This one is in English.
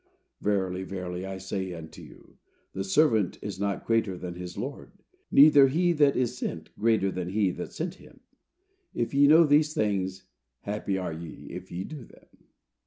"Verily, verily I say unto you, the servant is not greater than his lord, neither he that is sent greater than he that sent him. If ye know these things, happy are ye if ye do them."